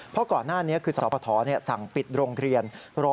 เพราะก่อนหน้านี้คือสพสั่งปิดโรงเรียน